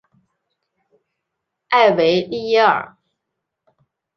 埃维利耶尔。